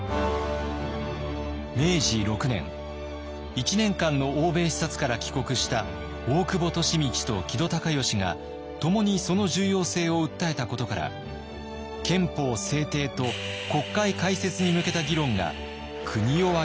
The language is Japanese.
明治６年１年間の欧米視察から帰国した大久保利通と木戸孝允がともにその重要性を訴えたことから憲法制定と国会開設に向けた議論が国を挙げて巻き起こります。